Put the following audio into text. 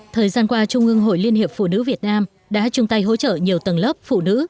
thời gian qua trung ương hội liên hiệp phụ nữ việt nam đã chung tay hỗ trợ nhiều tầng lớp phụ nữ